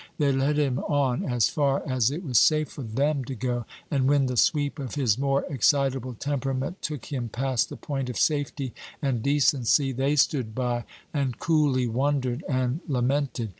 They led him on as far as it was safe for them to go, and when the sweep of his more excitable temperament took him past the point of safety and decency, they stood by, and coolly wondered and lamented.